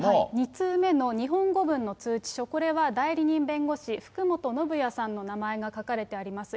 ２通目の日本語分の通知書、これは代理人弁護士、福本修也さんの名前が書かれてあります。